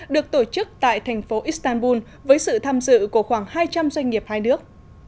được tổ chức tại thành phố istanbul với sự tham dự của khoảng hai trăm linh doanh nghiệp hai nước